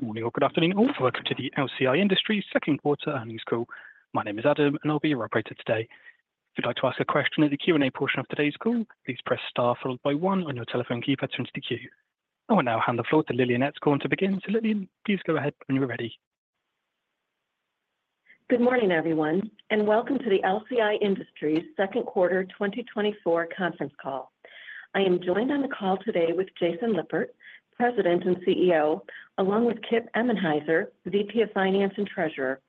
Good morning or good afternoon, all. Welcome to the LCI Industries Second Quarter Earnings Call. My name is Adam, and I'll be your operator today. If you'd like to ask a question at the Q&A portion of today's call, please press Star followed by one on your telephone keypad to enter the queue. I will now hand the floor to Lillian Etzkorn to begin. Lillian, please go ahead when you are ready. Good morning, everyone, and welcome to the LCI Industries Second Quarter 2024 Conference Call. I am joined on the call today with Jason Lippert, President and CEO, along with Kip Emenhiser, the VP of Finance and Treasurer.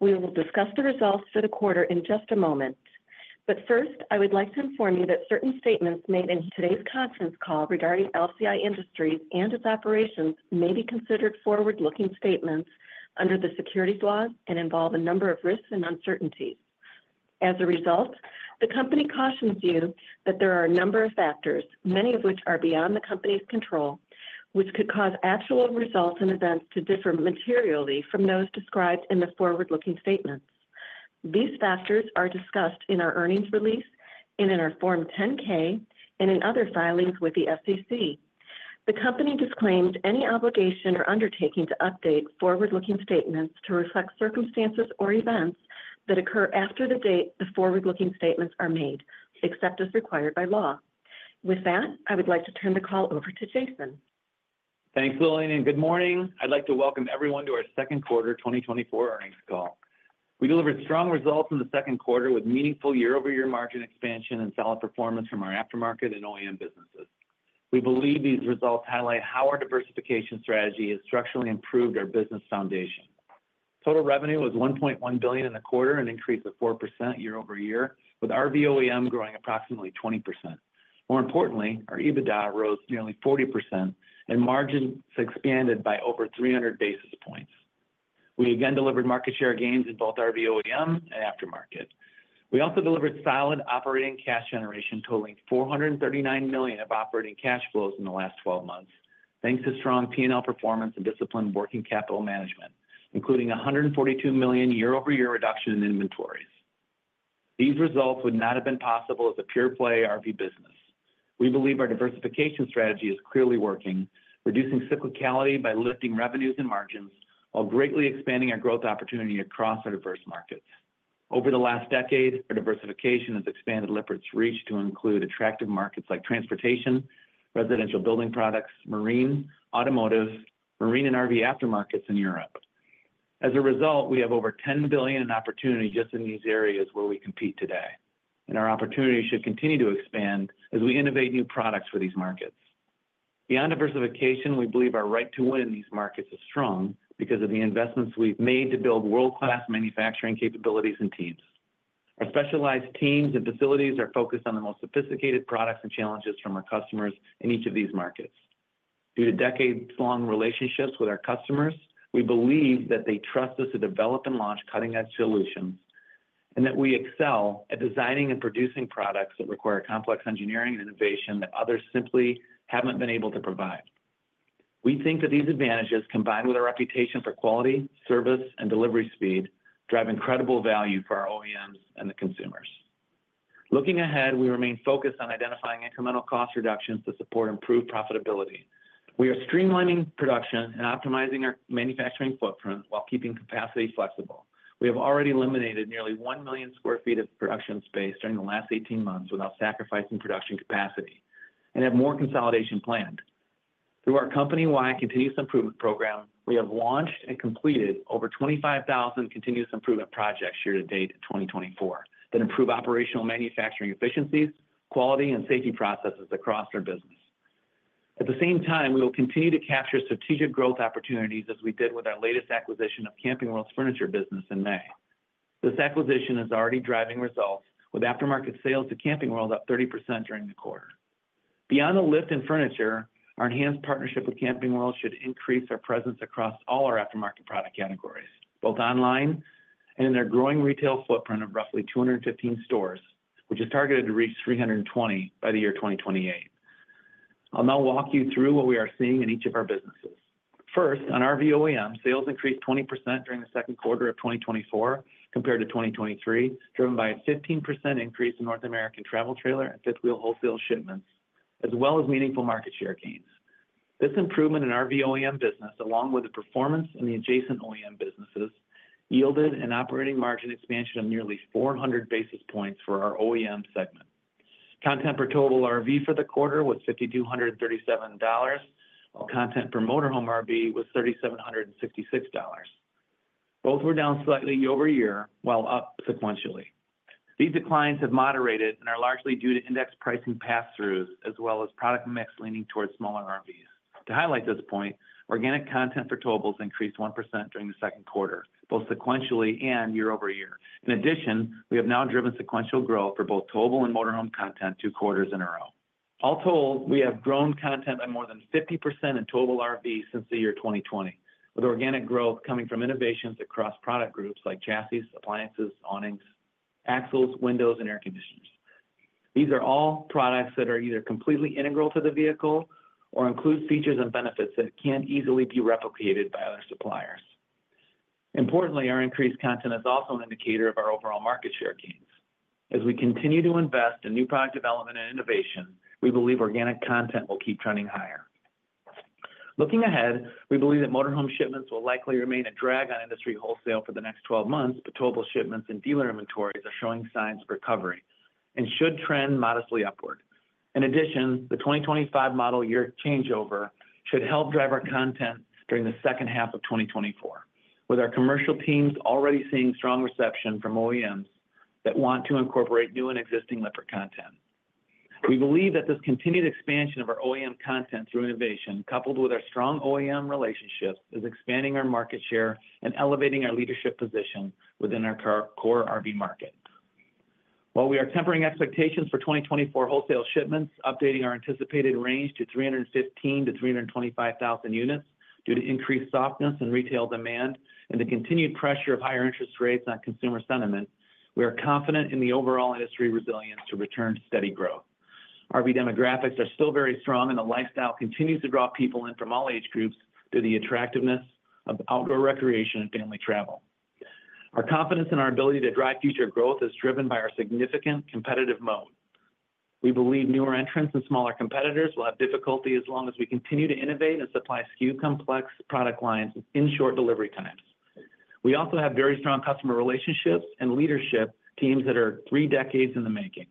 We will discuss the results for the quarter in just a moment. But first, I would like to inform you that certain statements made in today's conference call regarding LCI Industries and its operations may be considered forward-looking statements under the securities laws and involve a number of risks and uncertainties. As a result, the company cautions you that there are a number of factors, many of which are beyond the company's control, which could cause actual results and events to differ materially from those described in the forward-looking statements. These factors are discussed in our earnings release and in our form 10-K, and in other filings with the SEC. The company disclaims any obligation or undertaking to update forward-looking statements to reflect circumstances or events that occur after the date the forward-looking statements are made, except as required by law. With that, I would like to turn the call over to Jason. Thanks, Lillian, and good morning. I'd like to welcome everyone to our second quarter 2024 earnings call. We delivered strong results in the second quarter with meaningful year-over-year margin expansion and solid performance from our aftermarket and OEM businesses. We believe these results highlight how our diversification strategy has structurally improved our business foundation. Total revenue was $1.1 billion in the quarter, an increase of 4% year-over-year, with RV OEM growing approximately 20%. More importantly, our EBITDA rose nearly 40%, and margins expanded by over 300 basis points. We again delivered market share gains in both RV OEM and aftermarket. We also delivered solid operating cash generation, totaling $439 million of operating cash flows in the last 12 months, thanks to strong P&L performance and disciplined working capital management, including a $142 million year-over-year reduction in inventories. These results would not have been possible as a pure-play RV business. We believe our diversification strategy is clearly working, reducing cyclicality by lifting revenues and margins, while greatly expanding our growth opportunity across our diverse markets. Over the last decade, our diversification has expanded Lippert's reach to include attractive markets like transportation, residential building products, marine, automotive, marine and RV aftermarkets in Europe. As a result, we have over $10 billion in opportunity just in these areas where we compete today, and our opportunity should continue to expand as we innovate new products for these markets. Beyond diversification, we believe our right to win in these markets is strong because of the investments we've made to build world-class manufacturing capabilities and teams. Our specialized teams and facilities are focused on the most sophisticated products and challenges from our customers in each of these markets. Due to decades-long relationships with our customers, we believe that they trust us to develop and launch cutting-edge solutions, and that we excel at designing and producing products that require complex engineering and innovation that others simply haven't been able to provide. We think that these advantages, combined with our reputation for quality, service, and delivery speed, drive incredible value for our OEMs and the consumers. Looking ahead, we remain focused on identifying incremental cost reductions to support improved profitability. We are streamlining production and optimizing our manufacturing footprint while keeping capacity flexible. We have already eliminated nearly 1 million sq ft of production space during the last 18 months without sacrificing production capacity and have more consolidation planned. Through our company-wide continuous improvement program, we have launched and completed over 25,000 continuous improvement projects year to date in 2024, that improve operational manufacturing efficiencies, quality, and safety processes across our business. At the same time, we will continue to capture strategic growth opportunities as we did with our latest acquisition of Camping World's furniture business in May. This acquisition is already driving results, with aftermarket sales to Camping World up 30% during the quarter. Beyond the lift in furniture, our enhanced partnership with Camping World should increase our presence across all our aftermarket product categories, both online and in their growing retail footprint of roughly 215 stores, which is targeted to reach 320 by the year 2028. I'll now walk you through what we are seeing in each of our businesses. First, on RV OEM, sales increased 20% during the second quarter of 2024 compared to 2023, driven by a 15% increase in North American travel trailer and fifth wheel wholesale shipments, as well as meaningful market share gains. This improvement in RV OEM business, along with the performance in the adjacent OEM businesses, yielded an operating margin expansion of nearly 400 basis points for our OEM segment. Content per total RV for the quarter was $5,237, while content per motor home RV was $3,756. Both were down slightly year-over-year, while up sequentially. These declines have moderated and are largely due to index pricing pass-throughs, as well as product mix leaning towards smaller RVs. To highlight this point, organic content for towables increased 1% during the second quarter, both sequentially and year-over-year. In addition, we have now driven sequential growth for both towable and motor home content 2 quarters in a row. All told, we have grown content by more than 50% in total RV since the year 2020, with organic growth coming from innovations across product groups like chassis, appliances, awnings, axles, windows, and air conditioners. These are all products that are either completely integral to the vehicle or include features and benefits that can't easily be replicated by other suppliers. Importantly, our increased content is also an indicator of our overall market share gains. As we continue to invest in new product development and innovation, we believe organic content will keep trending higher. Looking ahead, we believe that motor home shipments will likely remain a drag on industry wholesale for the next 12 months, but towable shipments and dealer inventories are showing signs of recovery, and should trend modestly upward. In addition, the 2025 model year changeover should help drive our content during the second half of 2024, with our commercial teams already seeing strong reception from OEMs that want to incorporate new and existing Lippert content. We believe that this continued expansion of our OEM content through innovation, coupled with our strong OEM relationships, is expanding our market share and elevating our leadership position within our core, core RV market. While we are tempering expectations for 2024 wholesale shipments, updating our anticipated range to 315,000-325,000 units due to increased softness in retail demand and the continued pressure of higher interest rates on consumer sentiment, we are confident in the overall industry resilience to return to steady growth. RV demographics are still very strong, and the lifestyle continues to draw people in from all age groups through the attractiveness of outdoor recreation and family travel. Our confidence in our ability to drive future growth is driven by our significant competitive mode. We believe newer entrants and smaller competitors will have difficulty as long as we continue to innovate and supply SKU complex product lines in short delivery times. We also have very strong customer relationships and leadership teams that are three decades in the making.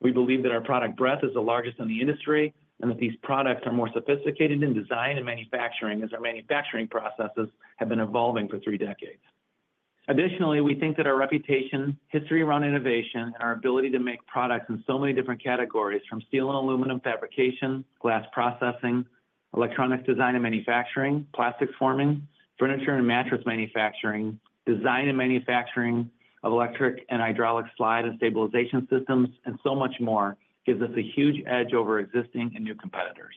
We believe that our product breadth is the largest in the industry, and that these products are more sophisticated in design and manufacturing, as our manufacturing processes have been evolving for three decades. Additionally, we think that our reputation, history around innovation, and our ability to make products in so many different categories, from steel and aluminum fabrication, glass processing, electronics design and manufacturing, plastics forming, furniture and mattress manufacturing, design and manufacturing of electric and hydraulic slide and stabilization systems, and so much more, gives us a huge edge over existing and new competitors.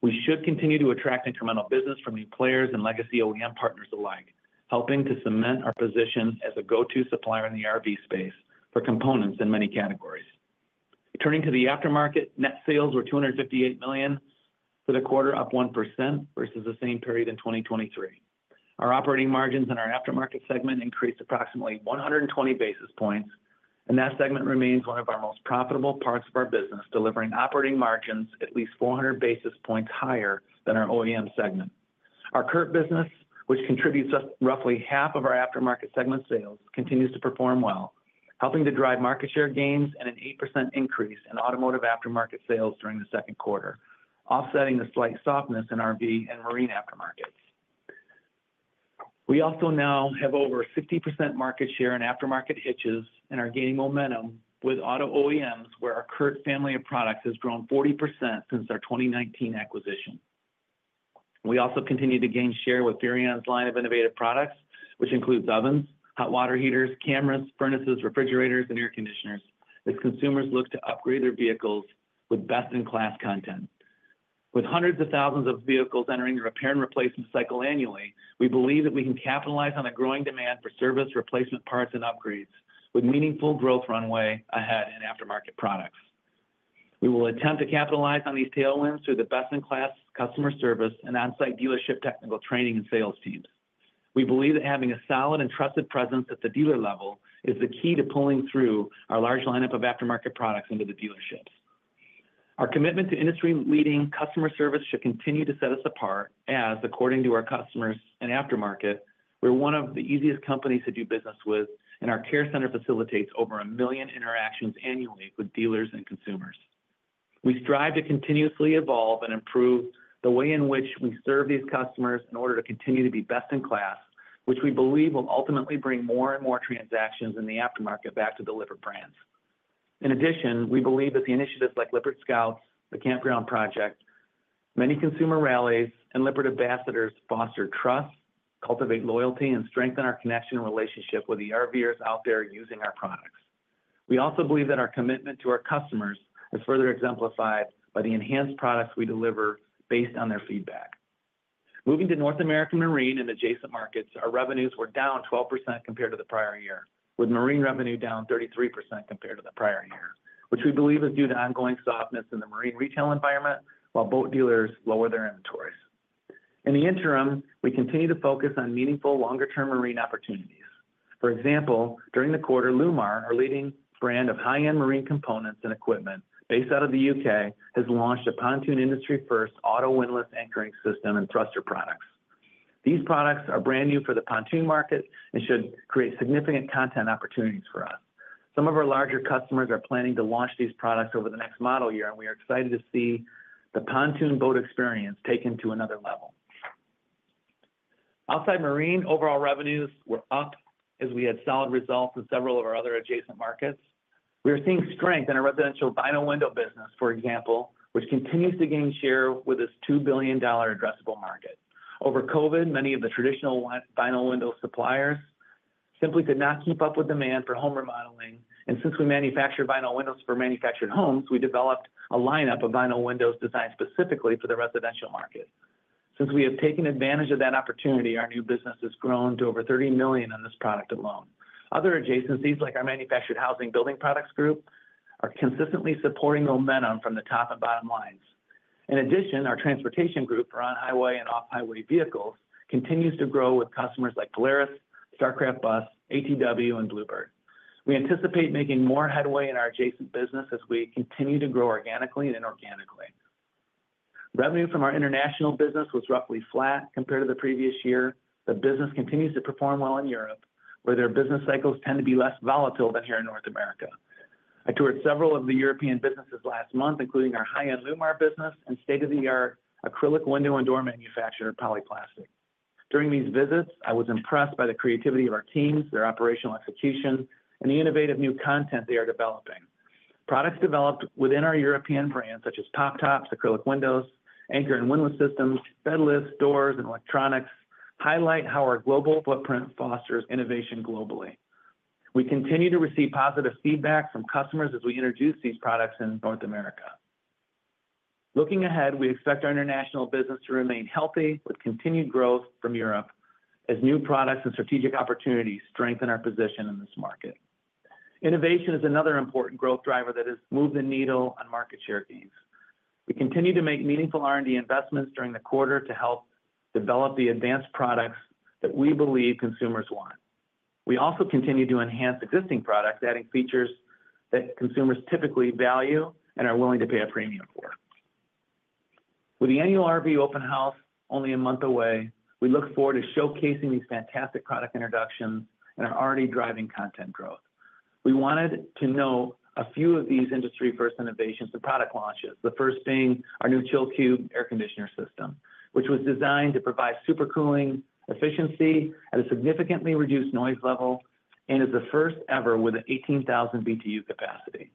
We should continue to attract incremental business from new players and legacy OEM partners alike, helping to cement our position as a go-to supplier in the RV space for components in many categories. Turning to the aftermarket, net sales were $258 million for the quarter, up 1% versus the same period in 2023. Our operating margins in our aftermarket segment increased approximately 120 basis points, and that segment remains one of our most profitable parts of our business, delivering operating margins at least 400 basis points higher than our OEM segment. Our CURT business, which contributes us roughly half of our aftermarket segment sales, continues to perform well, helping to drive market share gains and an 8% increase in automotive aftermarket sales during the second quarter, offsetting the slight softness in RV and marine aftermarkets. We also now have over 60% market share in aftermarket hitches and are gaining momentum with auto OEMs, where our current family of products has grown 40% since our 2019 acquisition. We also continue to gain share with Furrion's line of innovative products, which includes ovens, hot water heaters, cameras, furnaces, refrigerators, and air conditioners, as consumers look to upgrade their vehicles with best-in-class content. With hundreds of thousands of vehicles entering the repair and replacement cycle annually, we believe that we can capitalize on the growing demand for service, replacement parts and upgrades, with meaningful growth runway ahead in aftermarket products. We will attempt to capitalize on these tailwinds through the best-in-class customer service and on-site dealership technical training and sales teams. We believe that having a solid and trusted presence at the dealer level is the key to pulling through our large lineup of aftermarket products into the dealerships. Our commitment to industry-leading customer service should continue to set us apart, as according to our customers in aftermarket, we're one of the easiest companies to do business with, and our care center facilitates over 1 million interactions annually with dealers and consumers. We strive to continuously evolve and improve the way in which we serve these customers in order to continue to be best in class, which we believe will ultimately bring more and more transactions in the aftermarket back to the Lippert brands. In addition, we believe that the initiatives like Lippert Scouts, the Campground Project, many consumer rallies, and Lippert Ambassadors foster trust, cultivate loyalty, and strengthen our connection and relationship with the RVers out there using our products. We also believe that our commitment to our customers is further exemplified by the enhanced products we deliver based on their feedback. Moving to North American Marine and adjacent markets, our revenues were down 12% compared to the prior year, with marine revenue down 33% compared to the prior year, which we believe is due to ongoing softness in the marine retail environment, while boat dealers lower their inventories. In the interim, we continue to focus on meaningful, longer-term marine opportunities. For example, during the quarter, Lewmar, our leading brand of high-end marine components and equipment based out of the U.K., has launched a pontoon industry first Auto Windlass Anchoring System and thruster products. These products are brand new for the pontoon market and should create significant content opportunities for us. Some of our larger customers are planning to launch these products over the next model year, and we are excited to see the pontoon boat experience taken to another level. Outside marine, overall revenues were up as we had solid results in several of our other adjacent markets. We are seeing strength in our residential vinyl window business, for example, which continues to gain share with this $2 billion addressable market. Over COVID, many of the traditional vinyl window suppliers simply could not keep up with demand for home remodeling, and since we manufacture vinyl windows for manufactured homes, we developed a lineup of vinyl windows designed specifically for the residential market. Since we have taken advantage of that opportunity, our new business has grown to over $30 million on this product alone. Other adjacencies, like our manufactured housing building products group, are consistently supporting momentum from the top and bottom lines. In addition, our transportation group for on-highway and off-highway vehicles continues to grow with customers like Polaris, Starcraft Bus, ATW, and Blue Bird. We anticipate making more headway in our adjacent business as we continue to grow organically and inorganically. Revenue from our international business was roughly flat compared to the previous year. The business continues to perform well in Europe, where their business cycles tend to be less volatile than here in North America. I toured several of the European businesses last month, including our high-end Lewmar business and state-of-the-art acrylic window and door manufacturer, Polyplastic. During these visits, I was impressed by the creativity of our teams, their operational execution, and the innovative new content they are developing. Products developed within our European brands, such as pop tops, acrylic windows, anchor and window systems, bed lifts, doors, and electronics, highlight how our global footprint fosters innovation globally. We continue to receive positive feedback from customers as we introduce these products in North America. Looking ahead, we expect our international business to remain healthy, with continued growth from Europe, as new products and strategic opportunities strengthen our position in this market. Innovation is another important growth driver that has moved the needle on market share gains. We continued to make meaningful R&D investments during the quarter to help develop the advanced products that we believe consumers want. We also continued to enhance existing products, adding features that consumers typically value and are willing to pay a premium for. With the annual RV Open House only a month away, we look forward to showcasing these fantastic product introductions that are already driving content growth. We wanted to know a few of these industry-first innovations to product launches, the first being our new Chill Cube air conditioner system, which was designed to provide supercooling efficiency at a significantly reduced noise level and is the first ever with an 18,000 BTU capacity.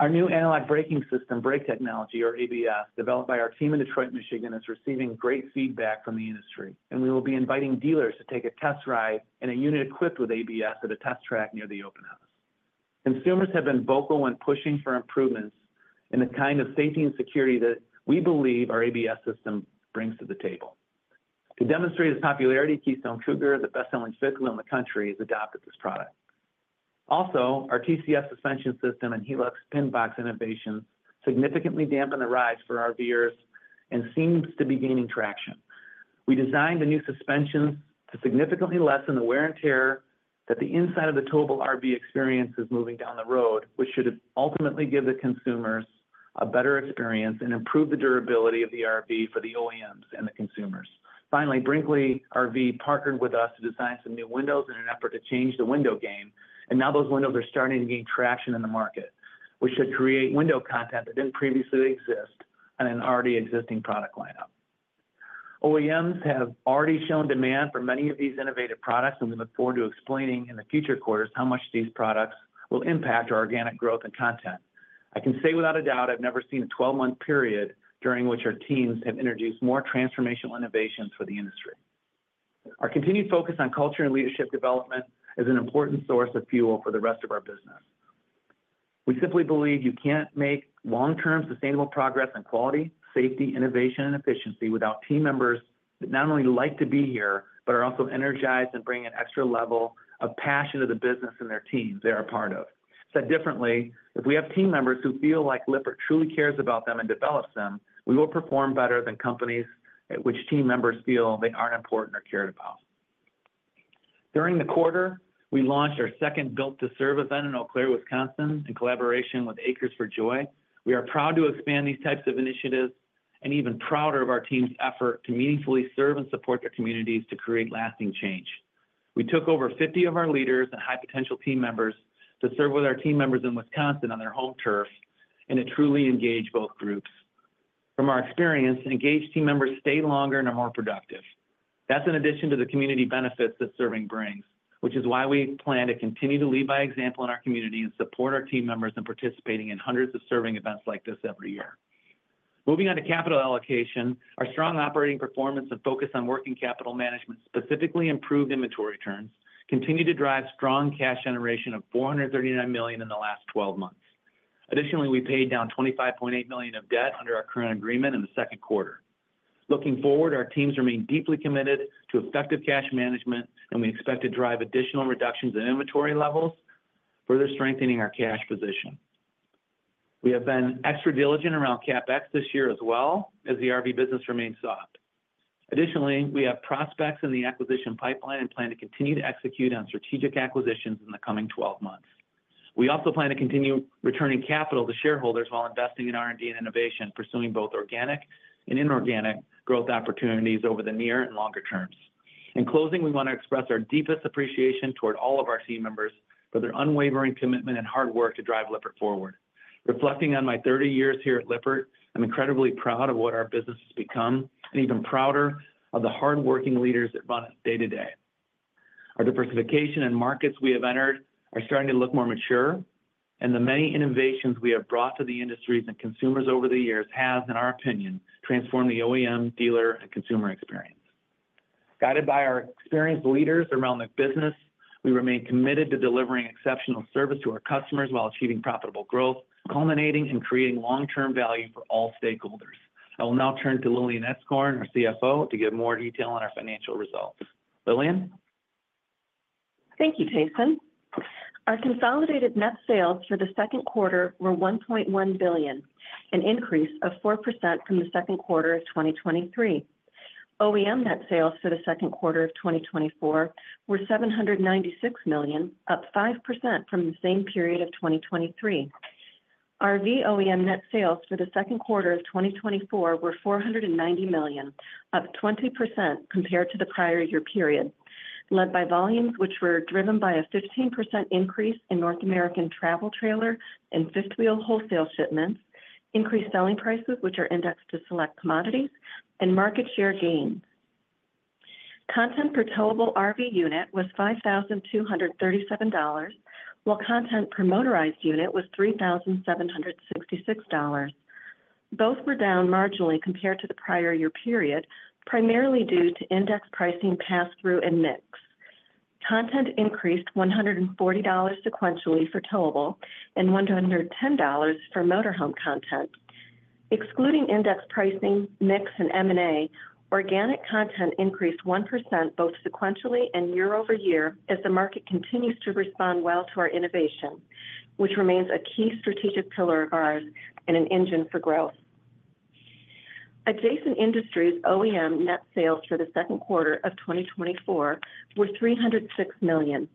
Our new Anti-lock Braking System brake technology, or ABS, developed by our team in Detroit, Michigan, is receiving great feedback from the industry, and we will be inviting dealers to take a test drive in a unit equipped with ABS at a test track near the Open House. Consumers have been vocal when pushing for improvements in the kind of safety and security that we believe our ABS system brings to the table. To demonstrate its popularity, Keystone Cougar, the best-selling vehicle in the country, has adopted this product. Also, our TCS suspension system and Helux pin box innovation significantly dampen the rides for RVers and seems to be gaining traction. We designed the new suspension to significantly lessen the wear and tear that the inside of the towable RV experience is moving down the road, which should ultimately give the consumers a better experience and improve the durability of the RV for the OEMs and the consumers. Finally, Brinkley RV partnered with us to design some new windows in an effort to change the window game, and now those windows are starting to gain traction in the market, which should create window content that didn't previously exist on an already existing product lineup. OEMs have already shown demand for many of these innovative products, and we look forward to explaining in the future quarters how much these products will impact our organic growth and content. I can say without a doubt, I've never seen a 12-month period during which our teams have introduced more transformational innovations for the industry. Our continued focus on culture and leadership development is an important source of fuel for the rest of our business. We simply believe you can't make long-term sustainable progress on quality, safety, innovation, and efficiency without team members that not only like to be here, but are also energized and bring an extra level of passion to the business and their teams they are a part of. Said differently, if we have team members who feel like Lippert truly cares about them and develops them, we will perform better than companies at which team members feel they aren't important or cared about. During the quarter, we launched our second Built to Serve event in Eau Claire, Wisconsin, in collaboration with Acres for Joy. We are proud to expand these types of initiatives and even prouder of our team's effort to meaningfully serve and support their communities to create lasting change. We took over 50 of our leaders and high-potential team members to serve with our team members in Wisconsin on their home turf and to truly engage both groups. From our experience, engaged team members stay longer and are more productive. That's in addition to the community benefits that serving brings, which is why we plan to continue to lead by example in our community and support our team members in participating in hundreds of serving events like this every year. Moving on to capital allocation, our strong operating performance and focus on working capital management, specifically improved inventory turns, continue to drive strong cash generation of $439 million in the last twelve months. Additionally, we paid down $25.8 million of debt under our current agreement in the second quarter. Looking forward, our teams remain deeply committed to effective cash management, and we expect to drive additional reductions in inventory levels, further strengthening our cash position. We have been extra diligent around CapEx this year as well, as the RV business remains soft. Additionally, we have prospects in the acquisition pipeline and plan to continue to execute on strategic acquisitions in the coming 12 months. We also plan to continue returning capital to shareholders while investing in R&D and innovation, pursuing both organic and inorganic growth opportunities over the near and longer terms. In closing, we want to express our deepest appreciation toward all of our team members for their unwavering commitment and hard work to drive Lippert forward. Reflecting on my 30 years here at Lippert, I'm incredibly proud of what our business has become and even prouder of the hardworking leaders that run us day to day. Our diversification and markets we have entered are starting to look more mature, and the many innovations we have brought to the industries and consumers over the years have, in our opinion, transformed the OEM, dealer, and consumer experience. Guided by our experienced leaders around the business, we remain committed to delivering exceptional service to our customers while achieving profitable growth, culminating in creating long-term value for all stakeholders. I will now turn to Lillian Etzkorn, our CFO, to give more detail on our financial results. Lillian? Thank you, Jason. Our consolidated net sales for the second quarter were $1.1 billion, an increase of 4% from the second quarter of 2023. OEM net sales for the second quarter of 2024 were $796 million, up 5% from the same period of 2023. RV OEM net sales for the second quarter of 2024 were $490 million, up 20% compared to the prior year period, led by volumes which were driven by a 15% increase in North American travel trailer and fifth wheel wholesale shipments, increased selling prices, which are indexed to select commodities and market share gains. Content per towable RV unit was $5,237, while content per motorized unit was $3,766. Both were down marginally compared to the prior year period, primarily due to index pricing pass-through and mix. Content increased $140 sequentially for towable and $110 for motorhome content. Excluding index pricing, mix and M&A, organic content increased 1% both sequentially and year-over-year as the market continues to respond well to our innovation, which remains a key strategic pillar of ours and an engine for growth. Adjacent Industries OEM net sales for the second quarter of 2024 were $306 million,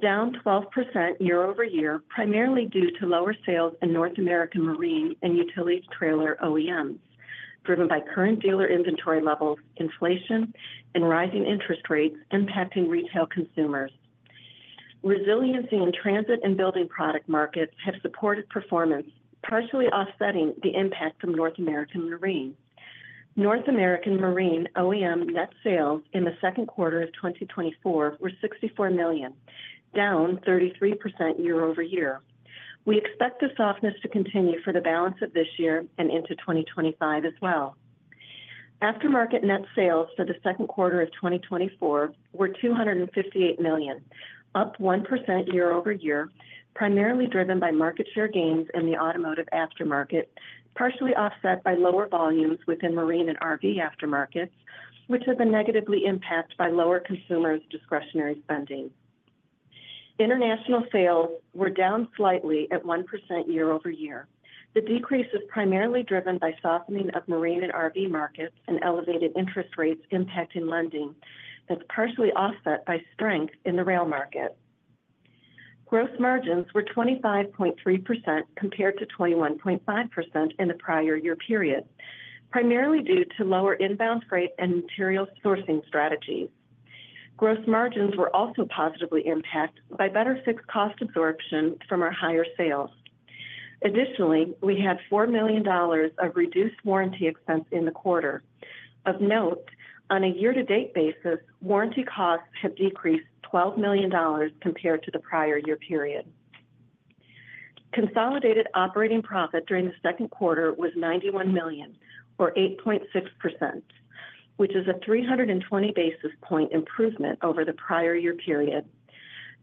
down 12% year-over-year, primarily due to lower sales in North American marine and utility trailer OEMs, driven by current dealer inventory levels, inflation and rising interest rates impacting retail consumers. Resiliency in transit and building product markets have supported performance, partially offsetting the impact from North American marine. North American Marine OEM net sales in the second quarter of 2024 were $64 million, down 33% year-over-year. We expect the softness to continue for the balance of this year and into 2025 as well. Aftermarket net sales for the second quarter of 2024 were $258 million, up 1% year-over-year, primarily driven by market share gains in the automotive aftermarket, partially offset by lower volumes within marine and RV aftermarkets, which have been negatively impacted by lower consumers' discretionary spending. International sales were down slightly at 1% year-over-year. The decrease is primarily driven by softening of marine and RV markets and elevated interest rates impacting lending. That's partially offset by strength in the rail market. Gross margins were 25.3% compared to 21.5% in the prior year period, primarily due to lower inbound freight and material sourcing strategies. Gross margins were also positively impacted by better fixed cost absorption from our higher sales. Additionally, we had $4 million of reduced warranty expense in the quarter. Of note, on a year-to-date basis, warranty costs have decreased $12 million compared to the prior year period. Consolidated operating profit during the second quarter was $91 million, or 8.6%, which is a 320 basis point improvement over the prior year period.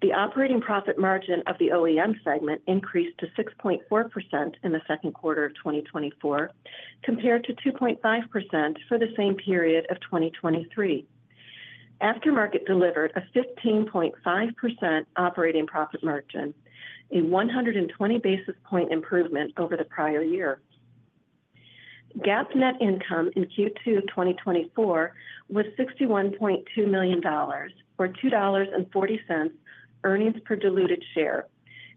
The operating profit margin of the OEM segment increased to 6.4% in the second quarter of 2024, compared to 2.5% for the same period of 2023. Aftermarket delivered a 15.5% operating profit margin, a 120 basis point improvement over the prior year. GAAP net income in Q2 of 2024 was $61.2 million, or $2.40 earnings per diluted share,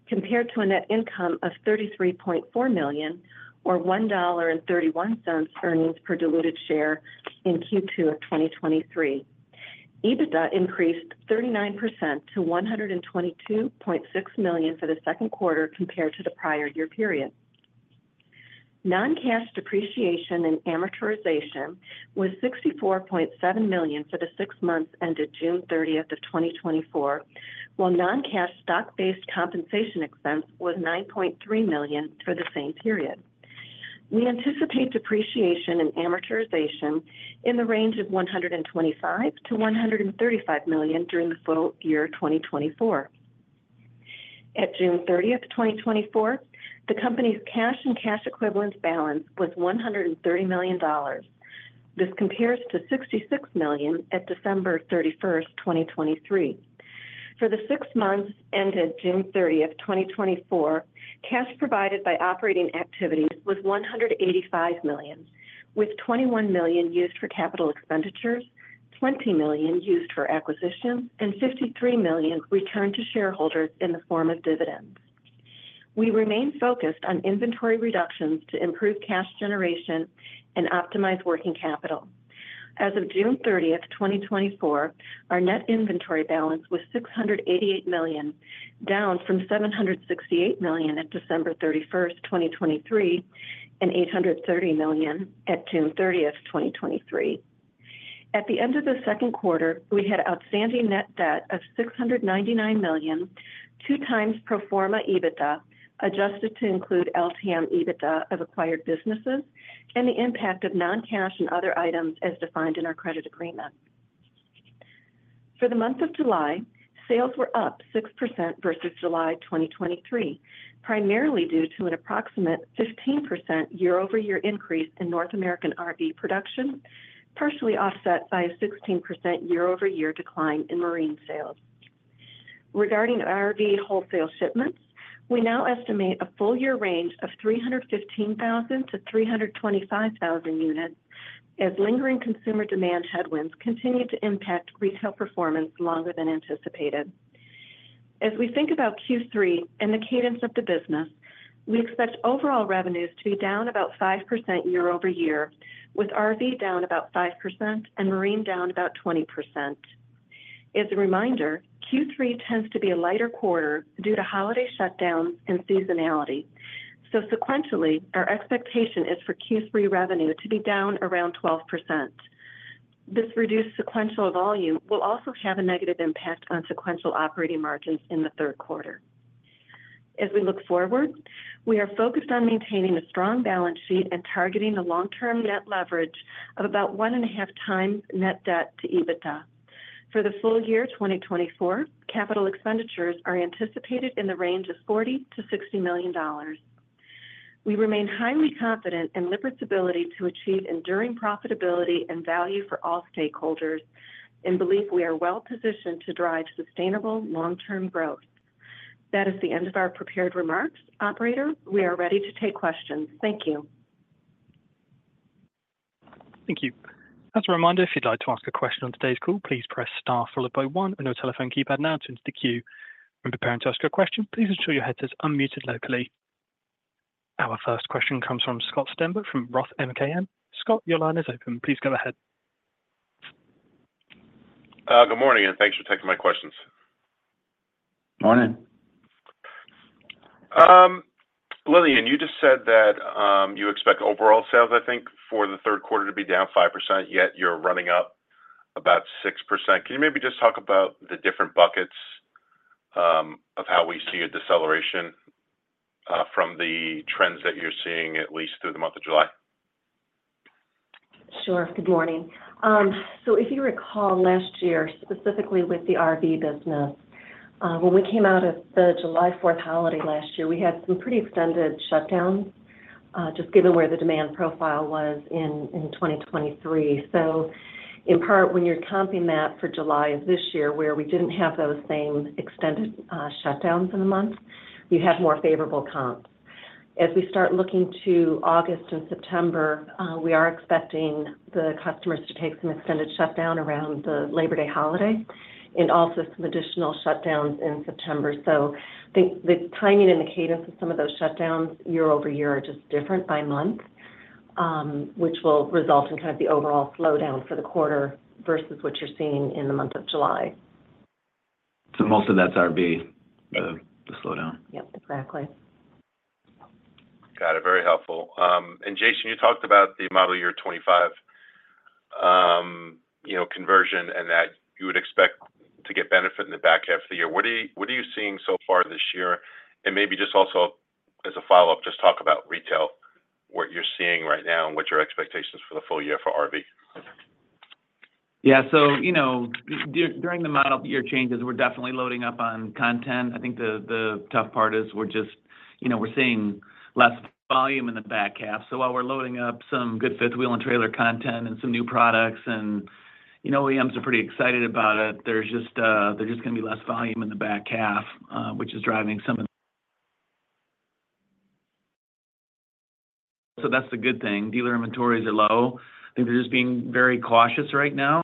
compared to a net income of $33.4 million, or $1.31 earnings per diluted share in Q2 of 2023. EBITDA increased 39% to $122.6 million for the second quarter compared to the prior year period. Non-cash depreciation and amortization was $64.7 million for the six months ended June 30, 2024, while non-cash stock-based compensation expense was $9.3 million for the same period. We anticipate depreciation and amortization in the range of $125 million-$135 million during the full year 2024. At June 30, 2024, the company's cash and cash equivalents balance was $130 million. This compares to $66 million at December 31, 2023. For the six months ended June 30, 2024, cash provided by operating activities was $185 million, with $21 million used for capital expenditures, $20 million used for acquisitions, and $53 million returned to shareholders in the form of dividends. We remain focused on inventory reductions to improve cash generation and optimize working capital. As of June 30, 2024, our net inventory balance was $688 million, down from $768 million at December 31, 2023, and $830 million at June 30, 2023. At the end of the second quarter, we had outstanding net debt of $699 million, 2x pro forma EBITDA, adjusted to include LTM EBITDA of acquired businesses and the impact of non-cash and other items as defined in our credit agreement. For the month of July, sales were up 6% versus July 2023, primarily due to an approximate 15% year-over-year increase in North American RV production, partially offset by a 16% year-over-year decline in marine sales. Regarding RV wholesale shipments, we now estimate a full year range of 315,000-325,000 units, as lingering consumer demand headwinds continue to impact retail performance longer than anticipated. As we think about Q3 and the cadence of the business, we expect overall revenues to be down about 5% year-over-year, with RV down about 5% and Marine down about 20%. As a reminder, Q3 tends to be a lighter quarter due to holiday shutdowns and seasonality. So sequentially, our expectation is for Q3 revenue to be down around 12%. This reduced sequential volume will also have a negative impact on sequential operating margins in the third quarter. As we look forward, we are focused on maintaining a strong balance sheet and targeting a long-term net leverage of about 1.5 times net debt to EBITDA. For the full year 2024, capital expenditures are anticipated in the range of $40 million-$60 million. We remain highly confident in Lippert's ability to achieve enduring profitability and value for all stakeholders and believe we are well positioned to drive sustainable long-term growth. That is the end of our prepared remarks. Operator, we are ready to take questions. Thank you. Thank you. As a reminder, if you'd like to ask a question on today's call, please press Star followed by one on your telephone keypad now to enter the queue. When preparing to ask your question, please ensure your headset is unmuted locally. Our first question comes from Scott Stember from Roth MKM. Scott, your line is open. Please go ahead. Good morning, and thanks for taking my questions. Morning. Lillian, you just said that you expect overall sales, I think, for the third quarter to be down 5%, yet you're running up about 6%. Can you maybe just talk about the different buckets of how we see a deceleration from the trends that you're seeing, at least through the month of July? Sure. Good morning. So if you recall last year, specifically with the RV business, when we came out of the July Fourth holiday last year, we had some pretty extended shutdowns, just given where the demand profile was in 2023. So in part, when you're comping that for July of this year, where we didn't have those same extended shutdowns in the month, we had more favorable comps. As we start looking to August and September, we are expecting the customers to take some extended shutdown around the Labor Day holiday and also some additional shutdowns in September. So I think the timing and the cadence of some of those shutdowns year-over-year are just different by month, which will result in kind of the overall slowdown for the quarter versus what you're seeing in the month of July. Most of that's RV, the slowdown? Yep, exactly. Got it. Very helpful. And Jason, you talked about the model year 2025, you know, conversion and that you would expect to get benefit in the back half of the year. What are you, what are you seeing so far this year? And maybe just also as a follow-up, just talk about retail, what you're seeing right now and what your expectations for the full year for RV. Yeah. So, you know, during the model year changes, we're definitely loading up on content. I think the tough part is we're just you know, we're seeing less volume in the back half. So while we're loading up some good fifth wheel and trailer content and some new products, and, you know, OEMs are pretty excited about it, there's just, there's just gonna be less volume in the back half, which is driving some of... So that's the good thing. Dealer inventories are low. I think they're just being very cautious right now.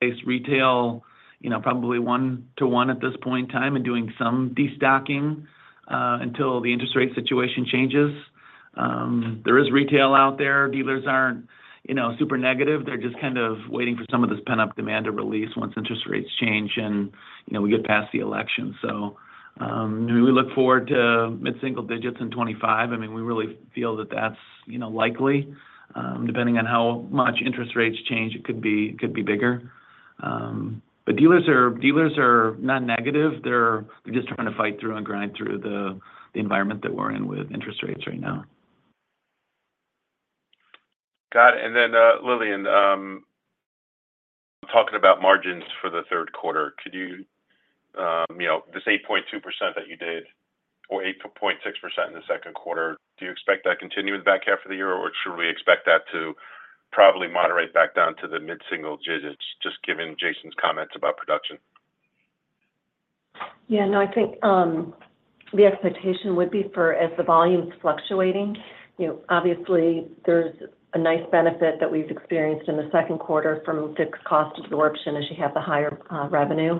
It's retail, you know, probably 1 to 1 at this point in time and doing some destocking until the interest rate situation changes. There is retail out there. Dealers aren't, you know, super negative. They're just kind of waiting for some of this pent-up demand to release once interest rates change and, you know, we get past the election. So, we look forward to mid-single digits in 2025. I mean, we really feel that that's, you know, likely, depending on how much interest rates change, it could be, it could be bigger. But dealers are, dealers are not negative. They're just trying to fight through and grind through the environment that we're in with interest rates right now. Got it. And then, Lillian, talking about margins for the third quarter, could you, you know, this 8.2% that you did or 8.6% in the second quarter, do you expect that to continue in the back half of the year, or should we expect that to probably moderate back down to the mid-single digits, just given Jason's comments about production? Yeah. No, I think, the expectation would be for as the volume is fluctuating, you know, obviously there's a nice benefit that we've experienced in the second quarter from fixed cost absorption as you have the higher revenue.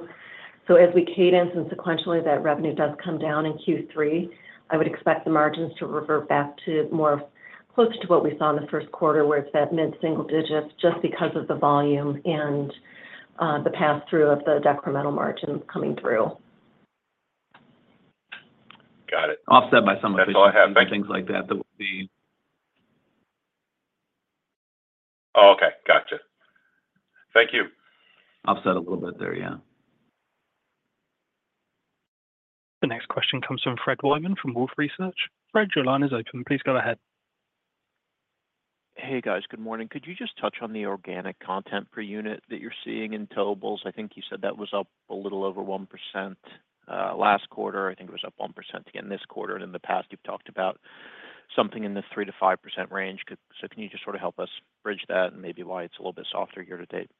So as we cadence and sequentially that revenue does come down in Q3, I would expect the margins to revert back to more close to what we saw in the first quarter, where it's that mid-single digits, just because of the volume and the pass-through of the decremental margins coming through. Got it. Offset by some- That's all I have. Things like that, that would be. Okay, gotcha. Thank you. Offset a little bit there, yeah. The next question comes from Fred Wightman from Wolfe Research. Fred, your line is open. Please go ahead. Hey, guys. Good morning. Could you just touch on the organic content per unit that you're seeing in towables? I think you said that was up a little over 1% last quarter. I think it was up 1% again this quarter. In the past, you've talked about something in the 3%-5% range. So can you just sort of help us bridge that and maybe why it's a little bit softer year to date?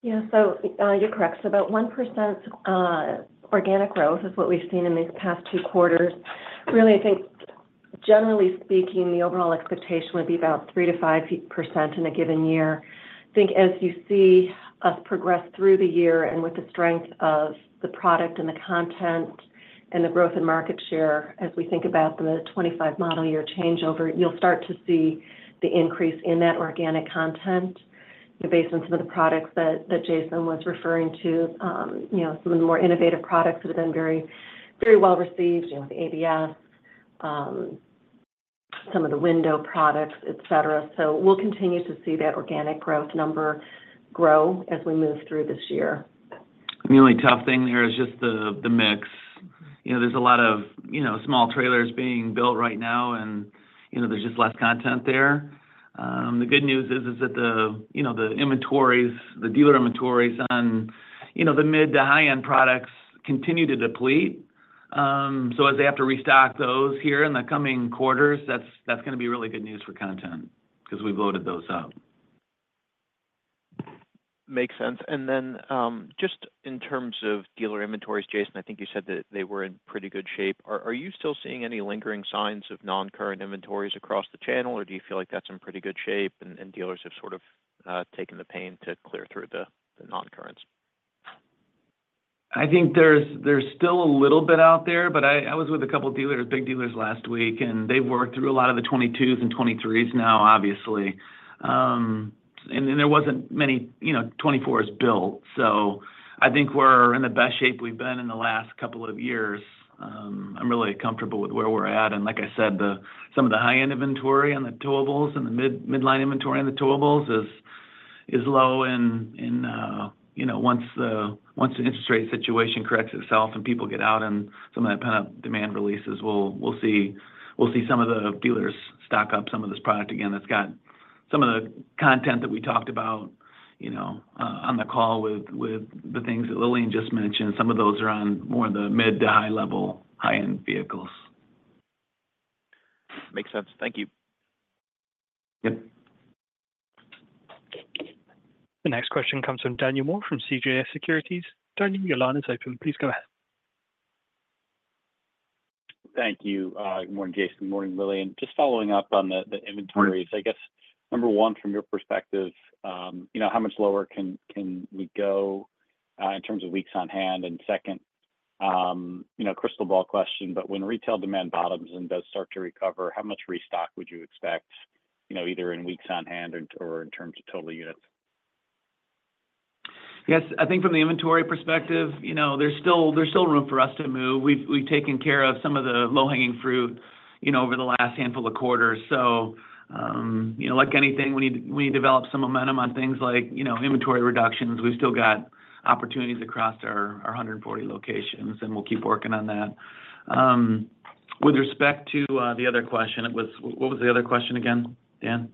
Yeah. So, you're correct. So about 1%, organic growth is what we've seen in these past two quarters. Really, I think, generally speaking, the overall expectation would be about 3%-5% in a given year. I think as you see us progress through the year and with the strength of the product and the content and the growth in market share, as we think about the 2025 model year changeover, you'll start to see the increase in that organic content, the base on some of the products that, that Jason was referring to. You know, some of the more innovative products that have been very, very well received, you know, the ABS, some of the window products, et cetera. So we'll continue to see that organic growth number grow as we move through this year. The only tough thing here is just the, the mix. You know, there's a lot of, you know, small trailers being built right now, and, you know, there's just less content there. The good news is, is that the, you know, the inventories, the dealer inventories on, you know, the mid to high-end products continue to deplete. So as they have to restock those here in the coming quarters, that's, that's gonna be really good news for content 'cause we've loaded those up. Makes sense. Then, just in terms of dealer inventories, Jason, I think you said that they were in pretty good shape. Are you still seeing any lingering signs of non-current inventories across the channel, or do you feel like that's in pretty good shape and dealers have sort of taken the pain to clear through the non-currents? I think there's still a little bit out there, but I was with a couple dealers, big dealers last week, and they've worked through a lot of the 2022s and 2023s now, obviously. And then there wasn't many, you know, 2024s built, so I think we're in the best shape we've been in the last couple of years. I'm really comfortable with where we're at, and like I said, some of the high-end inventory on the towables and the midline inventory on the towables is low. And, you know, once the interest rate situation corrects itself and people get out and some of that pent-up demand releases, we'll see some of the dealers stock up some of this product. Again, that's got some of the content that we talked about, you know, on the call with the things that Lillian just mentioned. Some of those are on more of the mid to high level, high-end vehicles. Makes sense. Thank you. Yep. The next question comes from Daniel Moore, from CJS Securities. Daniel, your line is open. Please go ahead. Thank you. Good morning, Jason. Morning, Lillian. Just following up on the inventories. Morning. I guess, number one, from your perspective, you know, how much lower can we go in terms of weeks on hand? And second, you know, crystal ball question, but when retail demand bottoms and does start to recover, how much restock would you expect, you know, either in weeks on hand or in terms of total units? Yes. I think from the inventory perspective, you know, there's still, there's still room for us to move. We've, we've taken care of some of the low-hanging fruit, you know, over the last handful of quarters. So, you know, like anything, we need, we need to develop some momentum on things like, you know, inventory reductions. We've still got opportunities across our 140 locations, and we'll keep working on that. With respect to the other question, it was... What, what was the other question again, Dan?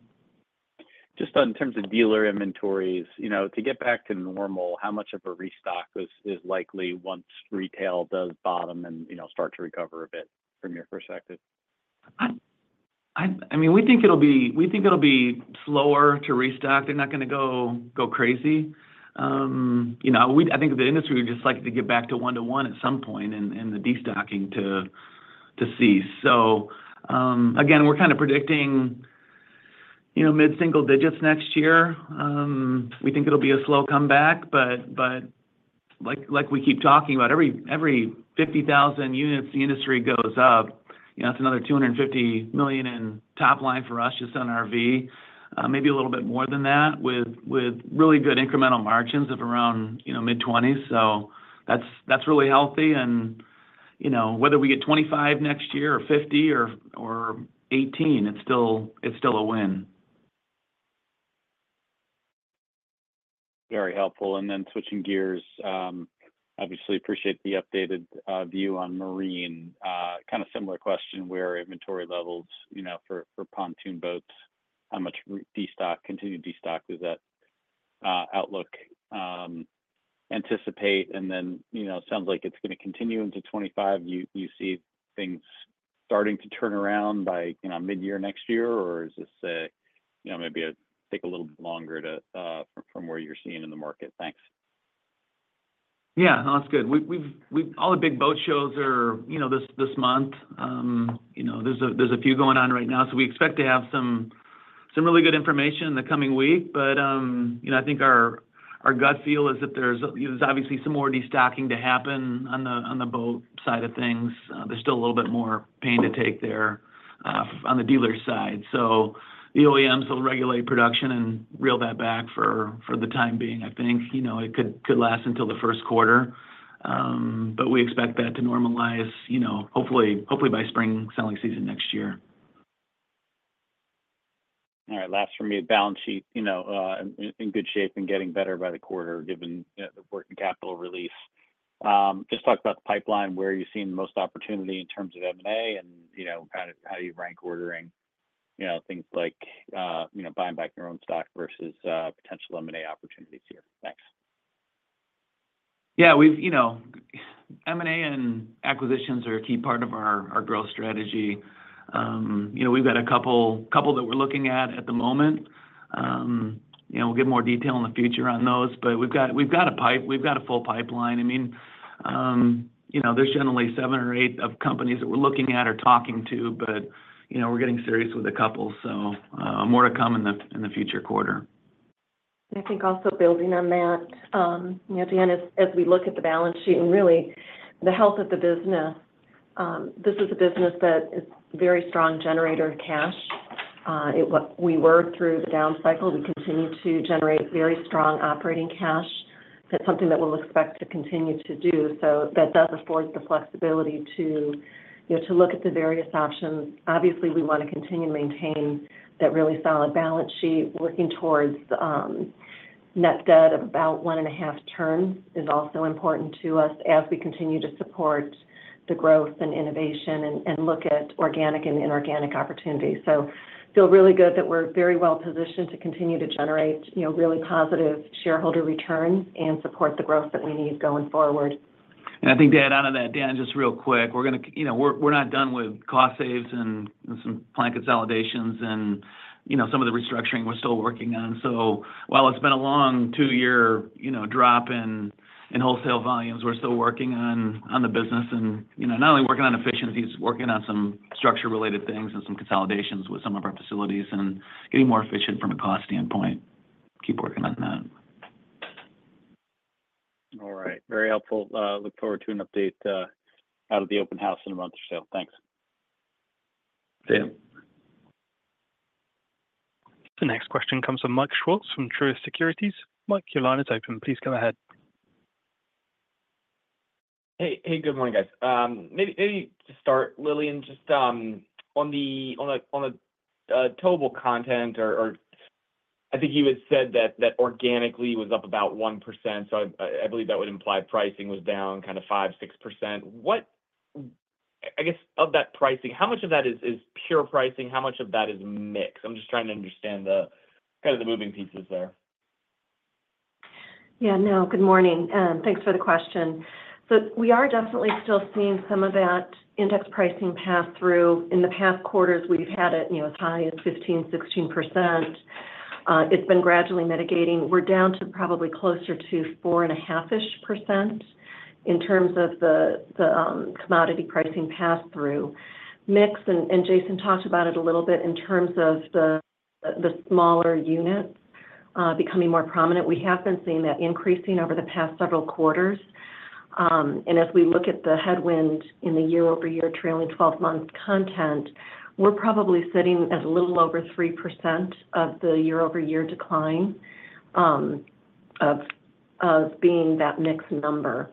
Just in terms of dealer inventories, you know, to get back to normal, how much of a restock is likely once retail does bottom and, you know, start to recover a bit from your perspective? I mean, we think it'll be slower to restock. They're not gonna go crazy. You know, I think the industry would just like to get back to one to one at some point in the destocking to cease. So, again, we're kind of predicting, you know, mid-single digits next year. We think it'll be a slow comeback, but like we keep talking about, every 50,000 units the industry goes up, you know, that's another $250 million in top line for us, just on our RV. Maybe a little bit more than that, with really good incremental margins of around, you know, mid-20s. So that's really healthy. And, you know, whether we get 25 next year, or 50 or 18, it's still a win. Very helpful. Then switching gears, obviously, appreciate the updated view on marine. Kind of similar question, where inventory levels, you know, for pontoon boats, how much continued destock does that outlook anticipate? And then, you know, it sounds like it's gonna continue into 2025. You see things starting to turn around by, you know, midyear next year, or is this a, you know, maybe a take a little bit longer to from where you're seeing in the market? Thanks. Yeah. No, that's good. We've all the big boat shows are, you know, this month. You know, there's a few going on right now, so we expect to have some really good information in the coming week. But you know, I think our gut feel is that there's obviously some more destocking to happen on the boat side of things. There's still a little bit more pain to take there on the dealer side. So the OEMs will regulate production and reel that back for the time being. I think, you know, it could last until the first quarter. But we expect that to normalize, you know, hopefully by spring selling season next year. All right. Last for me, balance sheet, you know, in good shape and getting better by the quarter, given, you know, the working capital release. Just talk about the pipeline, where you're seeing the most opportunity in terms of M&A, and, you know, kind of how you rank ordering, you know, things like, you know, buying back your own stock versus, potential M&A opportunities here. Thanks. Yeah, we've, you know, M&A and acquisitions are a key part of our, our growth strategy. You know, we've got a couple, couple that we're looking at at the moment. You know, we'll give more detail in the future on those, but we've got a full pipeline. I mean, you know, there's generally seven or eight companies that we're looking at or talking to, but, you know, we're getting serious with a couple, so, more to come in the, in the future quarter. And I think also building on that, you know, Dan, as we look at the balance sheet and really the health of the business, this is a business that is a very strong generator of cash. We worked through the down cycle. We continued to generate very strong operating cash. That's something that we'll expect to continue to do. So that does afford the flexibility to, you know, to look at the various options. Obviously, we wanna continue to maintain that really solid balance sheet. Working towards, net debt of about one and a half turns is also important to us as we continue to support the growth and innovation and look at organic and inorganic opportunities. I feel really good that we're very well positioned to continue to generate, you know, really positive shareholder returns and support the growth that we need going forward. I think to add on to that, Dan, just real quick, we're gonna... You know, we're not done with cost saves and some plan consolidations and, you know, some of the restructuring we're still working on. So while it's been a long two-year, you know, drop in wholesale volumes, we're still working on the business and, you know, not only working on efficiencies, working on some structure-related things and some consolidations with some of our facilities and getting more efficient from a cost standpoint. Keep working on that. All right. Very helpful. Look forward to an update out of the open house in a month or so. Thanks. See you. The next question comes from Mike Swartz, from Truist Securities. Mike, your line is open. Please go ahead. Hey, hey, good morning, guys. Maybe to start, Lillian, just on the towable content or, I think you had said that organically was up about 1%, so I believe that would imply pricing was down kind of 5-6%. What? I guess, of that pricing, how much of that is pure pricing? How much of that is mix? I'm just trying to understand the kinda the moving pieces there. Yeah, no. Good morning, and thanks for the question. So we are definitely still seeing some of that index pricing pass through. In the past quarters, we've had it, you know, as high as 15, 16%. It's been gradually mitigating. We're down to probably closer to 4.5-ish% in terms of the, the, commodity pricing pass-through. Mix, and, and Jason talked about it a little bit, in terms of the, the smaller units, becoming more prominent. We have been seeing that increasing over the past several quarters. And as we look at the headwind in the year-over-year trailing twelve-month content, we're probably sitting at a little over 3% of the year-over-year decline, of, of being that mix number.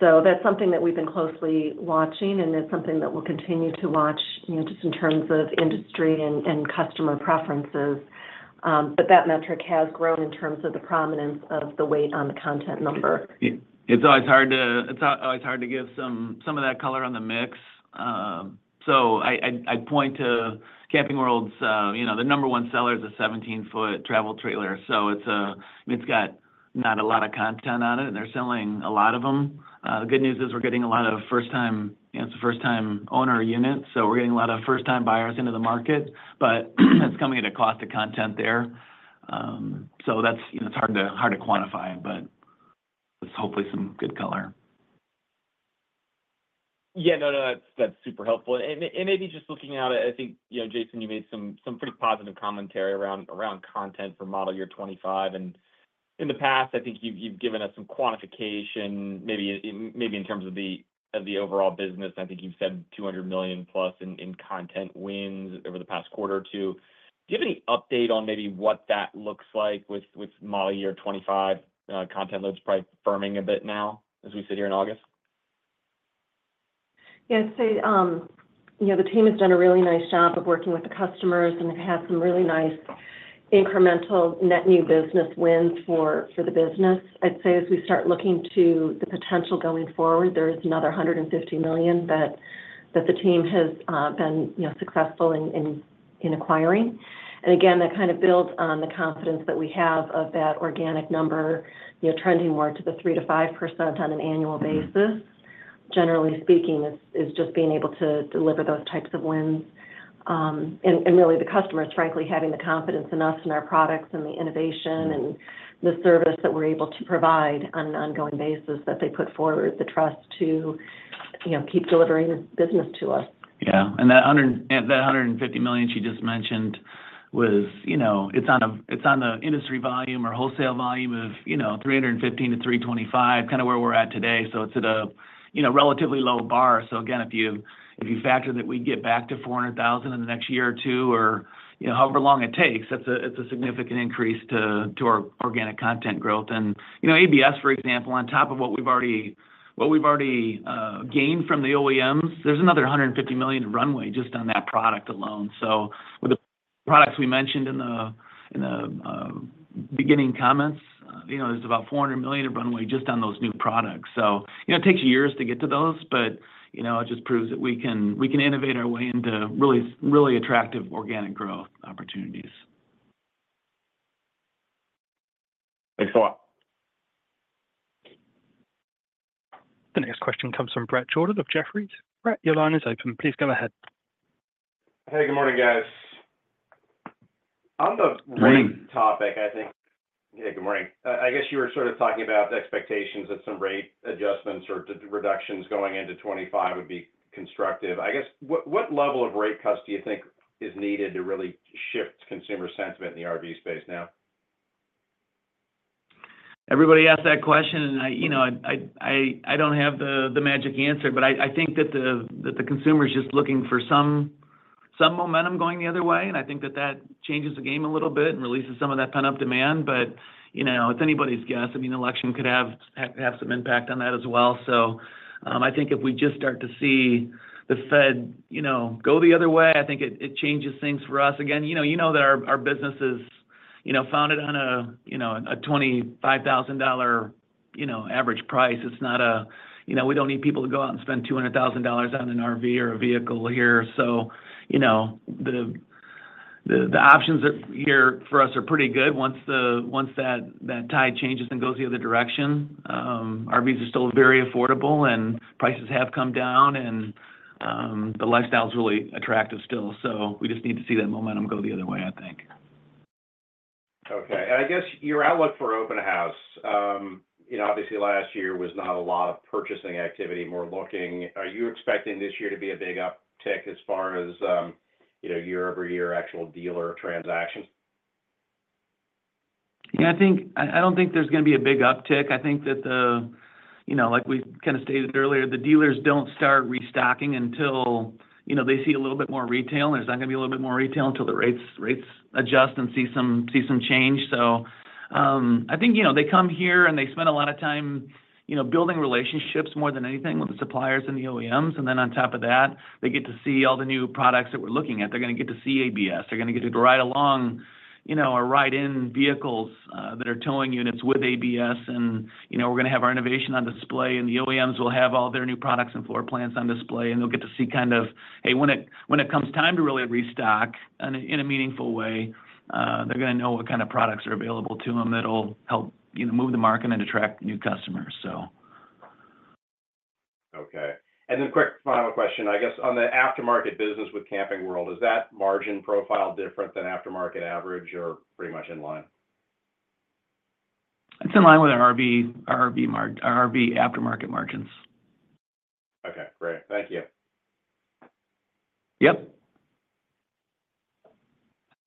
So that's something that we've been closely watching, and it's something that we'll continue to watch, you know, just in terms of industry and customer preferences. But that metric has grown in terms of the prominence of the weight on the content number. Yeah. It's always hard to give some of that color on the mix. So I'd point to Camping World's. You know, the number one seller is a 17-foot travel trailer, so it's got not a lot of content on it, and they're selling a lot of them. The good news is we're getting a lot of first-time, you know, it's a first-time owner unit, so we're getting a lot of first-time buyers into the market, but it's coming at a cost of content there. So that's, you know, it's hard to quantify, but that's hopefully some good color. Yeah. No, no, that's, that's super helpful. And maybe just looking out, I think, you know, Jason, you made some, some pretty positive commentary around, around content for model year 2025, and in the past, I think you've, you've given us some quantification, maybe in, maybe in terms of the, of the overall business. I think you've said $200 million+ in, in content wins over the past quarter or two. Do you have any update on maybe what that looks like with, with model year 2025? Content loads probably firming a bit now as we sit here in August. Yeah. I'd say, you know, the team has done a really nice job of working with the customers, and they've had some really nice incremental net new business wins for the business. I'd say as we start looking to the potential going forward, there is another $150 million that the team has been, you know, successful in acquiring. And again, that kind of builds on the confidence that we have of that organic number, you know, trending more to the 3%-5% on an annual basis. Generally speaking, is just being able to deliver those types of wins. Really, the customers, frankly, having the confidence in us and our products and the innovation and the service that we're able to provide on an ongoing basis, that they put forward the trust to, you know, keep delivering this business to us. Yeah. And that $150 million she just mentioned was, you know, it's on a industry volume or wholesale volume of, you know, 315-325, kind of where we're at today. So it's at a, you know, relatively low bar. So again, if you factor that we'd get back to 400,000 in the next year or two, or, you know, however long it takes, that's a, it's a significant increase to our organic content growth. And, you know, ABS, for example, on top of what we've already gained from the OEMs, there's another $150 million in runway just on that product alone. So with the products we mentioned in the beginning comments, you know, there's about $400 million in runway just on those new products. So, you know, it takes years to get to those, but, you know, it just proves that we can innovate our way into really, really attractive organic growth opportunities. Thanks a lot. The next question comes from Brett Jordan of Jefferies. Brett, your line is open. Please go ahead. Hey, good morning, guys. On the rate topic, I think... Yeah, good morning. I guess you were sort of talking about the expectations of some rate adjustments or the reductions going into 2025 would be constructive. I guess, what, what level of rate cuts do you think is needed to really shift consumer sentiment in the RV space now? Everybody asks that question, and you know, I don't have the magic answer, but I think that the consumer is just looking for some momentum going the other way. And I think that that changes the game a little bit and releases some of that pent-up demand. But, you know, it's anybody's guess. I mean, the election could have some impact on that as well. So, I think if we just start to see the Fed, you know, go the other way, I think it changes things for us. Again, you know that our business is, you know, founded on a $25,000 average price. It's not a, you know, we don't need people to go out and spend $200,000 on an RV or a vehicle a year. So, you know, the options that are here for us are pretty good once that tide changes and goes the other direction. RVs are still very affordable, and prices have come down, and the lifestyle is really attractive still, so we just need to see that momentum go the other way, I think. Okay. I guess your outlook for open house, you know, obviously last year was not a lot of purchasing activity, more looking. Are you expecting this year to be a big uptick as far as, you know, year-over-year actual dealer transactions? Yeah, I think I don't think there's gonna be a big uptick. I think that the, you know, like we kind of stated earlier, the dealers don't start restocking until, you know, they see a little bit more retail, and there's not gonna be a little bit more retail until the rates adjust and see some change. So, I think, you know, they come here, and they spend a lot of time, you know, building relationships more than anything with the suppliers and the OEMs. And then on top of that, they get to see all the new products that we're looking at. They're gonna get to see ABS. They're gonna get to ride along, you know, or ride in vehicles that are towing units with ABS. You know, we're gonna have our innovation on display, and the OEMs will have all their new products and floor plans on display, and they'll get to see kind of... Hey, when it comes time to really restock in a meaningful way, they're gonna know what kind of products are available to them that'll help, you know, move the market and attract new customers, so. Okay. And then quick final question. I guess on the aftermarket business with Camping World, is that margin profile different than aftermarket average or pretty much in line? It's in line with our RV aftermarket margins. Okay, great. Thank you. Yep.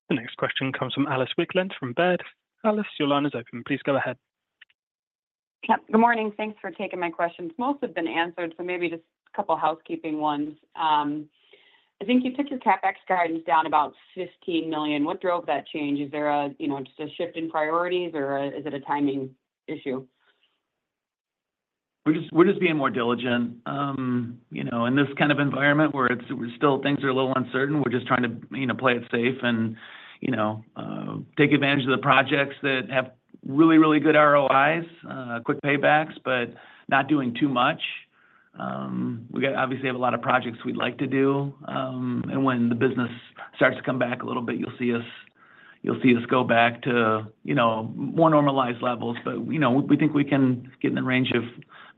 The next question comes from Alice Wycklendt from Baird. Alice, your line is open. Please go ahead. Yep, good morning. Thanks for taking my questions. Most have been answered, so maybe just a couple of housekeeping ones. I think you took your CapEx guidance down about $15 million. What drove that change? Is there a, you know, just a shift in priorities, or is it a timing issue? We're just being more diligent. You know, in this kind of environment where it's still things are a little uncertain, we're just trying to, you know, play it safe and, you know, take advantage of the projects that have really, really good ROIs, quick paybacks, but not doing too much. We obviously have a lot of projects we'd like to do, and when the business starts to come back a little bit, you'll see us go back to, you know, more normalized levels. But, you know, we think we can get in the range of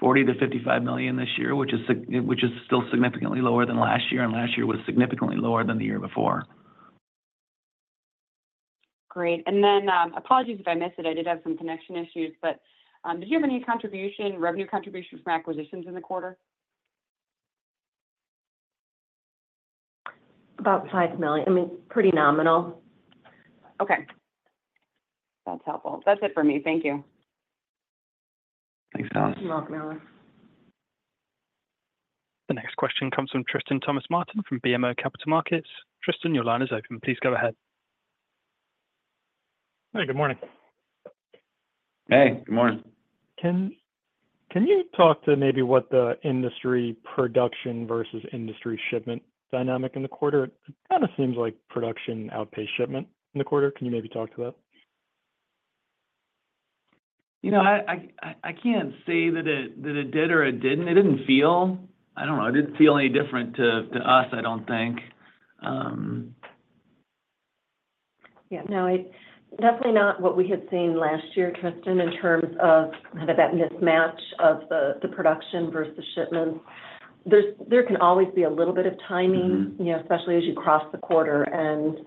$40 million-$55 million this year, which is still significantly lower than last year, and last year was significantly lower than the year before. Great. And then, apologies if I missed it, I did have some connection issues, but, did you have any contribution, revenue contribution from acquisitions in the quarter? About $5 million. I mean, pretty nominal. Okay. That's helpful. That's it for me. Thank you. Thanks, Alice. You're welcome, Alice. The next question comes from Tristan Thomas-Martin from BMO Capital Markets. Tristan, your line is open. Please go ahead. Hey, good morning. Hey, good morning. Can you talk to maybe what the industry production versus industry shipment dynamic in the quarter? It kinda seems like production outpaced shipment in the quarter. Can you maybe talk to that? You know, I can't say that it did or it didn't. It didn't feel... I don't know, it didn't feel any different to us, I don't think. Yeah, no, it's definitely not what we had seen last year, Tristan, in terms of kind of that mismatch of the production versus shipments. There can always be a little bit of timing, you know, especially as you cross the quarter and,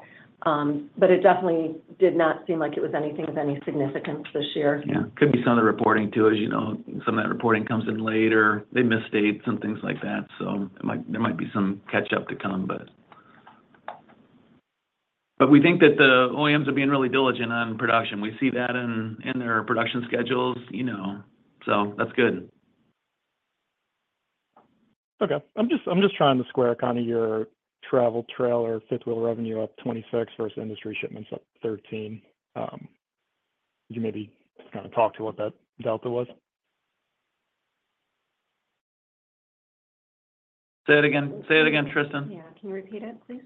but it definitely did not seem like it was anything of any significance this year. Yeah. Could be some of the reporting, too, as you know. Some of that reporting comes in later. They misstate some things like that, so there might be some catch up to come, but. But we think that the OEMs are being really diligent on production. We see that in their production schedules, you know, so that's good. Okay. I'm just, I'm just trying to square kind of your travel trailer, fifth wheel revenue up 26 versus industry shipments up 13. Could you maybe just kinda talk to what that delta was? Say it again. Say it again, Tristan. Yeah. Can you repeat it, please?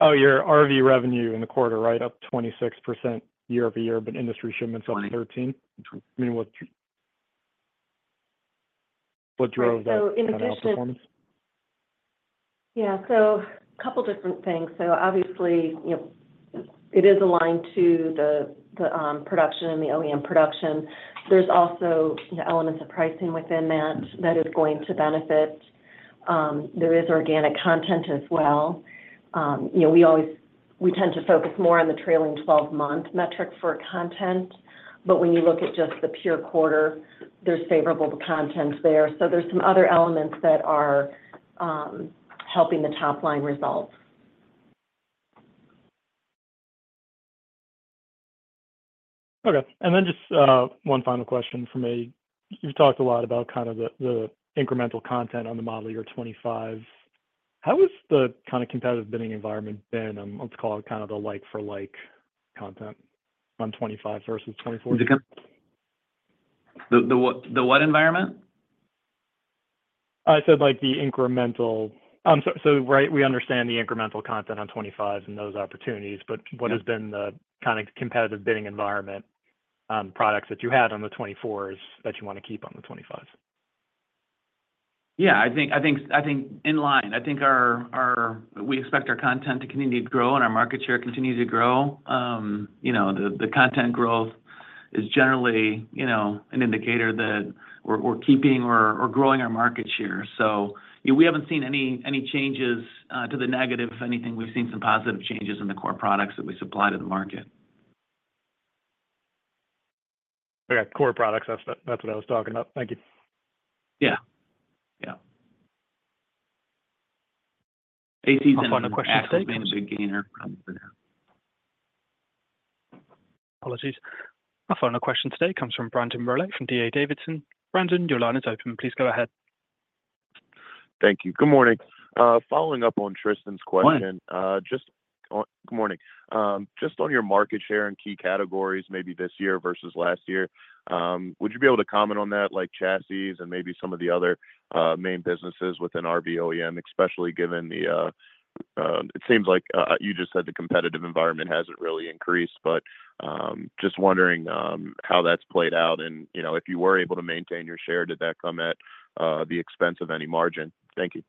Oh, your RV revenue in the quarter, right, up 26% year-over-year, but industry shipments up 13%. I mean, what- What drove that kind of outperformance? Yeah, so a couple different things. So obviously, you know, it is aligned to the production and the OEM production. There's also the elements of pricing within that that is going to benefit. There is organic content as well. You know, we always—we tend to focus more on the trailing twelve-month metric for content, but when you look at just the pure quarter, there's favorable content there. So there's some other elements that are helping the top line results. Okay. And then just, one final question from me. You've talked a lot about kind of the, the incremental content on the model year 25s. How has the kind of competitive bidding environment been on, let's call it, kind of the like for like content on '25 versus '24? The what environment? I said, like, the incremental... So, so right, we understand the incremental content on '25s and those opportunities, but what has been the kind of competitive bidding environment, products that you had on the 24s that you want to keep on the '25s? Yeah, I think in line. I think we expect our content to continue to grow and our market share continue to grow. You know, the content growth is generally, you know, an indicator that we're keeping or growing our market share. So, you know, we haven't seen any changes to the negative. If anything, we've seen some positive changes in the core products that we supply to the market. Okay. Core products, that's what, that's what I was talking about. Thank you. Yeah. Yeah. One final question- ACs and axles being a big gainer for now. Apologies. Our final question today comes from Brandon Rolle from D.A. Davidson. Brandon, your line is open. Please go ahead. Thank you. Good morning. Following up on Tristan's question- Morning. Good morning. Just on your market share in key categories, maybe this year versus last year, would you be able to comment on that, like, chassis and maybe some of the other main businesses within RV OEM, especially given the it seems like you just said the competitive environment hasn't really increased, but just wondering how that's played out, and, you know, if you were able to maintain your share, did that come at the expense of any margin? Thank you.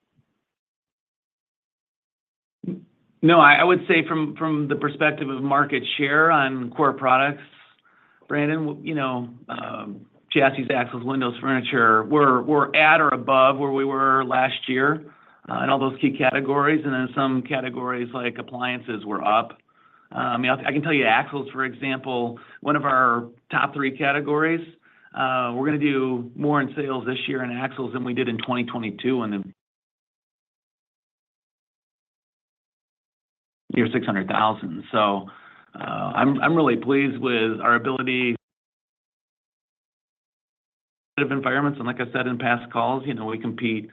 No, I would say from the perspective of market share on core products, Brandon, well, you know, chassis, axles, windows, furniture, we're at or above where we were last year in all those key categories, and in some categories, like appliances, we're up. I mean, I can tell you axles, for example, one of our top three categories, we're gonna do more in sales this year in axles than we did in 2022 on the year 600,000. So, I'm really pleased with our ability of environments, and like I said in past calls, you know, we've competed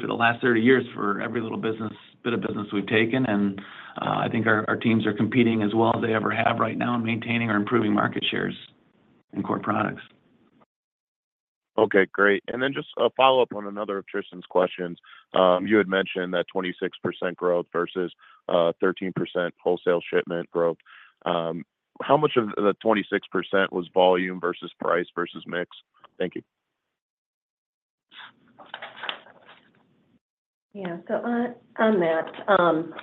for the last 30 years for every little business, bit of business we've taken, and I think our teams are competing as well as they ever have right now in maintaining or improving market shares in core products. Okay, great. And then just a follow-up on another of Tristan's questions. You had mentioned that 26% growth versus 13% wholesale shipment growth. How much of the 26% was volume versus price versus mix? Thank you. Yeah. So on, on that,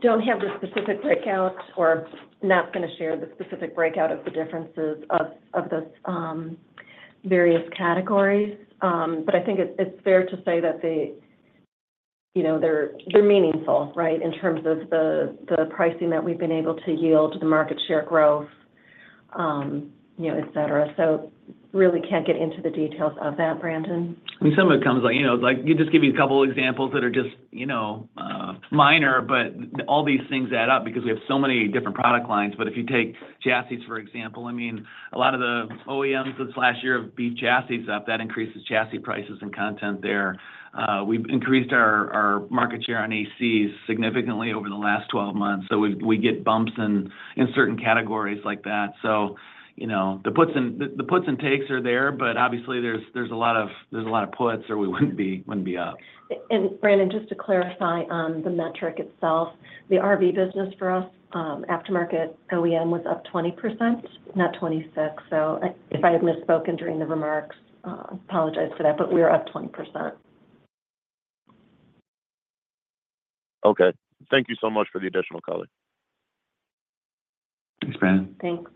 don't have the specific breakout or not gonna share the specific breakout of the differences of, of those, various categories. But I think it's, it's fair to say that they, you know, they're, they're meaningful, right? In terms of the, the pricing that we've been able to yield, the market share growth, you know, et cetera. So really can't get into the details of that, Brandon. I mean, some of it comes like, you know, like, you just give you a couple of examples that are just, you know, minor, but all these things add up because we have so many different product lines. But if you take chassis, for example, I mean, a lot of the OEMs this last year have beat chassis up. That increases chassis prices and content there. We've increased our, our market share on ACs significantly over the last 12 months, so we, we get bumps in, in certain categories like that. So, you know, the puts and the puts and takes are there, but obviously, there's, there's a lot of there's a lot of puts or we wouldn't be, wouldn't be up. And Brandon, just to clarify on the metric itself, the RV business for us, aftermarket OEM was up 20%, not 26. So if I had misspoken during the remarks, apologize for that, but we are up 20%. Okay. Thank you so much for the additional color. Thanks, Brandon. Thanks.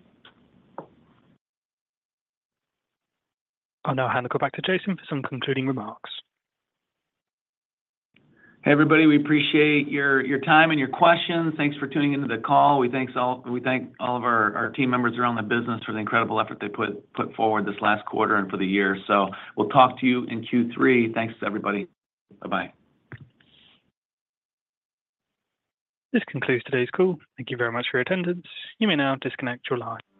I'll now hand it back to Jason for some concluding remarks. Hey, everybody, we appreciate your time and your questions. Thanks for tuning into the call. We thank all of our team members around the business for the incredible effort they put forward this last quarter and for the year. So we'll talk to you in Q3. Thanks, everybody. Bye-bye. This concludes today's call. Thank you very much for your attendance. You may now disconnect your line.